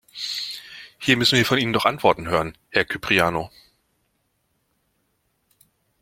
Hier müssen wir von Ihnen doch Antworten hören, Herr Kyprianou!